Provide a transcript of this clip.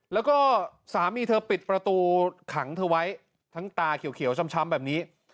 แล้วก็สามีเธอปิดประตูขังเธอไว้ทั้งตาเขียวช้ำแบบนี้